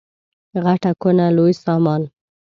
غټه کونه لوی سامان.